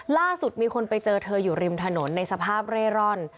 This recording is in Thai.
ล่าสุดมีคนไปเจอเธออยู่ริมถนนในสภาพเร่ร่อน